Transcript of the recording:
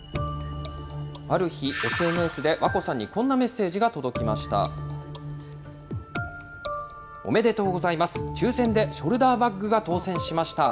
ある日、ＳＮＳでわこさんにこんなメッセージが届きました。